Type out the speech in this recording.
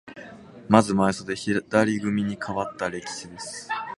まず前襟、左組にかわったレシキです。